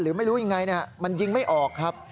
ไม่รู้ยังไงมันยิงไม่ออกครับ